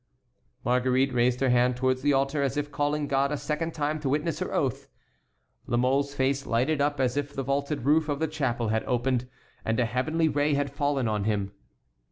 Marguerite raised her hand towards the altar, as if calling God a second time to witness her oath. La Mole's face lighted up as if the vaulted roof of the chapel had opened and a heavenly ray had fallen on him.